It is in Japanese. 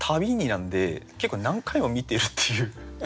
なんで結構何回も見てるっていう。